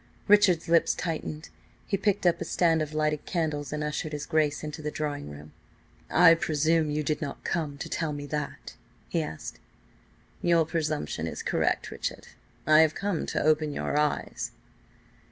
Richard's lips tightened. He picked up a stand of lighted candles and ushered his Grace into the drawing room. "I presume you did not come to tell me that?" he asked. "Your presumption is correct, Richard. I have come to open your eyes."